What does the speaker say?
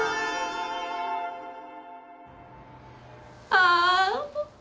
ああ。